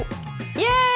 イエーイ！